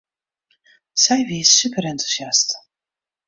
Sy wie superentûsjast.